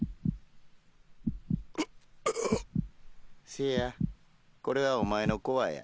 せやこれはお前のコアや。